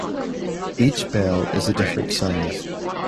Each bell is a different size.